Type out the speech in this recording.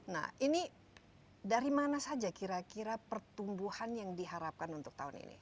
nah ini dari mana saja kira kira pertumbuhan yang diharapkan untuk tahun ini